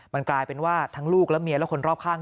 มันกลายเป็นว่าทั้งลูกและเมียและคนรอบข้าง